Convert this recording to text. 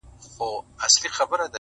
بیا یې مات سول تماشې ته ډېر وګړي-